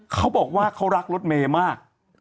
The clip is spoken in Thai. เขาบอกว่าเขารักรถเมย์มาก